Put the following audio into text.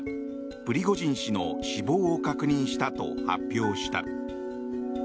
プリゴジン氏の死亡を確認したと発表した。